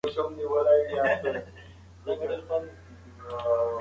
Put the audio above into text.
زده کړه د ملګرو اړیکې پیاوړې کوي.